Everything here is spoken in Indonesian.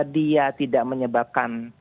dia tidak menyebabkan